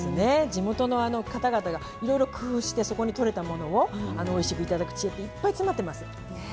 地元の方々がいろいろ工夫してそこに取れたものをおいしく頂く知恵っていっぱい詰まってます。